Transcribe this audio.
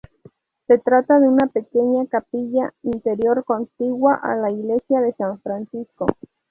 Se trata de una pequeña capilla interior contigua a la Iglesia de San Francisco.